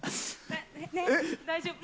大丈夫。